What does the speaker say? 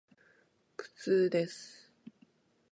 苦痛です。